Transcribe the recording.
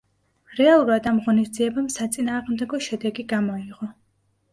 რეალურად ამ ღონისძიებამ საწინააღმდეგო შედეგი გამოიღო.